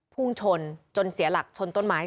พุ่งชนจนเสียหลักชนต้นไม้